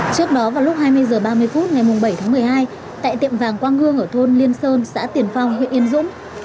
trước đó vào lúc hai mươi h ba mươi phút ngày bảy tháng một mươi hai tại tiệm vàng quang gương ở thôn liên sơn xã tiền phong huyện yên dũng